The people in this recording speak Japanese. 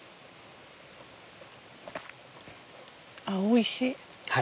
あっおいしい。